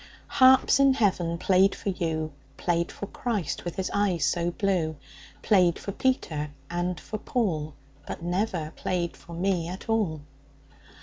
'Harps in heaven played for you; Played for Christ with his eyes so blue; Played for Peter and for Paul, But never played for me at all!